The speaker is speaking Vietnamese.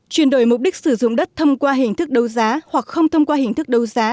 chuyển đổi mục đích sử dụng đất thông qua hình thức đấu giá hoặc không thông qua hình thức đấu giá